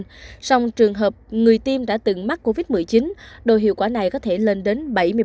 trong trường hợp người tiêm đã từng mắc covid một mươi chín độ hiệu quả này có thể lên đến bảy mươi